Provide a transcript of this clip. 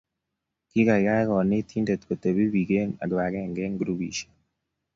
Kii kaikai konetinde kotebi biik eng' kibagenge eng' grupisiek